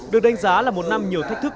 được đánh giá là một năm nhiều thách thức